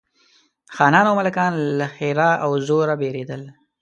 خانان او ملکان له ښرا او زور بېرېدل.